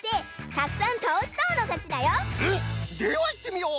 ではいってみよう！